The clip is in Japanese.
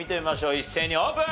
一斉にオープン！